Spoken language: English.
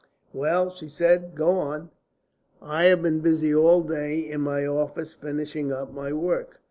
"Well?" she said. "Go on!" "I had been busy all that day in my office finishing up my work.